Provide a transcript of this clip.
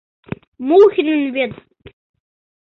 Мухинын вет.